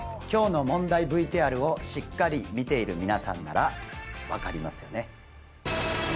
今日の問題ＶＴＲをしっかり見ている皆さんならわかりますよね？